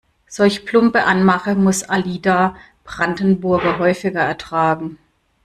Solch plumpe Anmache muss Alida Brandenburger häufiger ertragen.